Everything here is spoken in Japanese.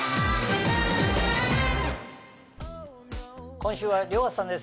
今週は遼河さんです